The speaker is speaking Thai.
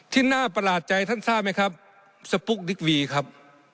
ที่น่าประหลาดใจท่านทราบไหมครับสปุ๊กดิกวีครับ